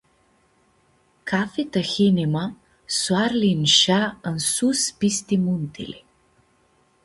Cafi tahinimã soarli inshea ãnsus pisti muntili.